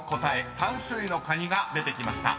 ３種類のカニが出てきました。